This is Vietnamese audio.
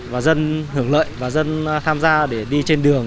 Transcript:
và dân hưởng lợi và dân tham gia để đi trên đường